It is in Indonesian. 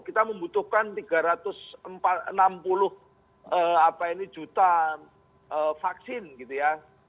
kita membutuhkan tiga ratus enam puluh juta vaksin gitu ya